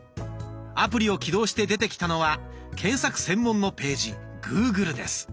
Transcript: アプリを起動して出てきたのは検索専門のページ「グーグル」です。